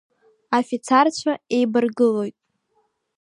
Афицарцәа еибаргылоит.